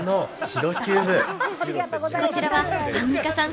こちらはアンミカさん